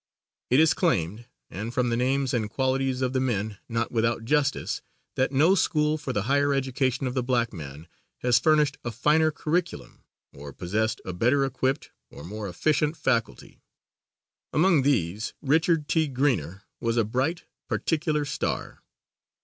It is claimed, and from the names and qualities of the men, not without justice, that no school for the higher education of the black man has furnished a finer curriculum or possessed a better equipped or more efficient faculty. Among these, Richard T. Greener was a bright, particular star.